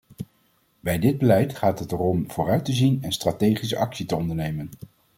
Bij dit beleid gaat het erom vooruit te zien en strategische actie te ondernemen.